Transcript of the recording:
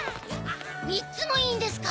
３つもいいんですか？